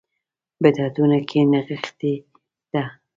بدعتونو کې نغښې ده.